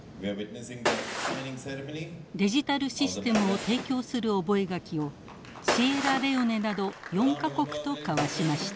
デジタル・システムを提供する覚書をシエラレオネなど４か国と交わしました。